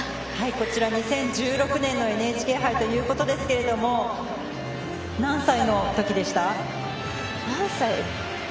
こちら２０１６年のＮＨＫ杯ということですけれども何歳の時でした？